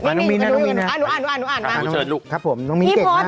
ครับผมน้องมีนเจ็บมาก